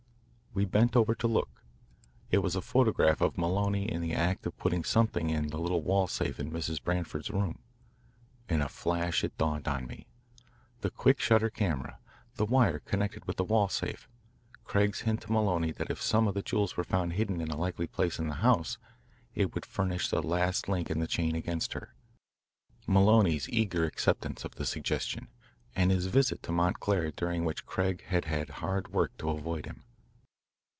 We bent over to look. It was a photograph of Maloney in the act of putting something in the little wall safe in Mrs. Branford's room. In a flash it dawned on me the quick shutter camera, the wire connected with the wall safe, Craig's hint to Maloney that if some of the jewels were found hidden in a likely place in the house, it would furnish the last link in the chain against her, Maloney's eager acceptance of the suggestion, and his visit to Montclair during which Craig had had hard work to avoid him.